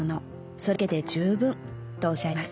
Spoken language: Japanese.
それだけで十分とおっしゃいます。